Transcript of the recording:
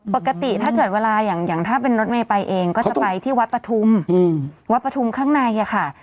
ปกติถ้าเกิดเวลาอย่างถ้าเป็นรถเมย์ไปเองก็จะไปที่วัดปฐุมวัดปฐุมข้างในอะค่ะ